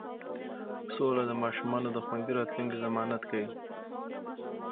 سوله د ماشومانو د خوندي راتلونکي ضمانت کوي.